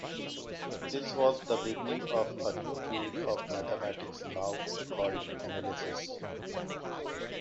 This was the beginning of a new field of mathematics now called analysis.